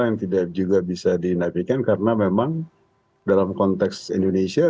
yang tidak juga bisa dinafikan karena memang dalam konteks indonesia